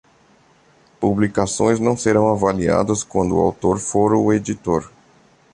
Publicações não serão avaliadas quando o autor for o editor.